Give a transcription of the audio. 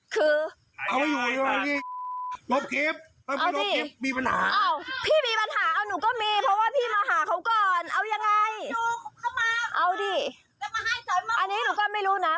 คือเอาไม่อยู่ในนู้นรบรีบมีปัญหา